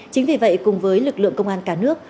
chính vì vậy cùng với lực lượng công an cả nước